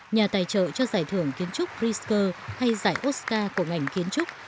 nhà tài trợ cho giải thưởng kiến trúc brisk hay giải oscar của ngành kiến trúc